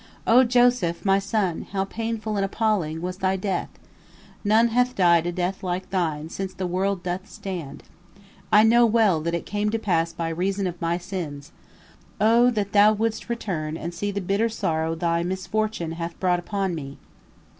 O Joseph, my son, how painful and appalling was thy death! None hath died a death like thine since the world doth stand. I know well that it came to pass by reason of my sins. O that thou wouldst return and see the bitter sorrow thy misfortune hath brought upon me!